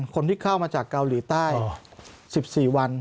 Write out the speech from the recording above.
คนที่เข้ามาจากเกาหลีใต้๑๔วัน